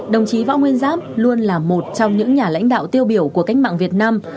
đồng chí võ nguyên giáp luôn là một trong những nhà lãnh đạo tiêu biểu của cách mạng việt nam